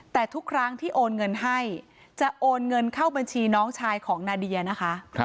แต่ทุกครั้งที่โอนเงินให้จะโอนเงินเข้าบัญชีน้องชายของนาเดียนะคะ